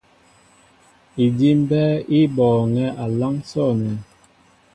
Idí' mbɛ́ɛ́ í bɔɔŋɛ́ a láŋ sɔ̂nɛ́.